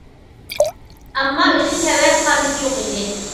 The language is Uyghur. ئەمما ئۆزىگە تەۋە پارنىكى يوق ئىدى.